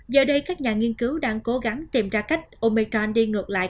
giờ đây các nhà nghiên cứu đang cố gắng tìm ra cách omechon đi ngược lại